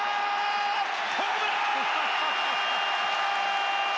ホームラン！